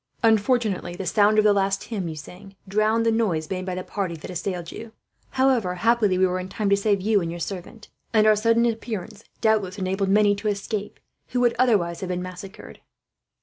Unfortunately, the sound of the last hymn you sang drowned the noise made by the party that assailed you. However, happily we were in time to save you and your servant; and our sudden appearance doubtless enabled many to escape, who would otherwise have been massacred."